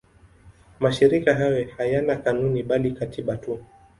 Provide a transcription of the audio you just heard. Mashirika hayo hayana kanuni bali katiba tu.